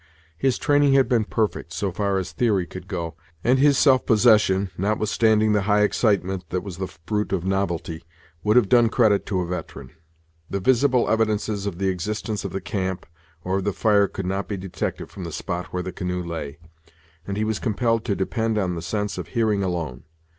His training had been perfect, so far as theory could go, and his self possession, notwithstanding the high excitement, that was the fruit of novelty, would have done credit to a veteran. The visible evidences of the existence of the camp, or of the fire could not be detected from the spot where the canoe lay, and he was compelled to depend on the sense of hearing alone.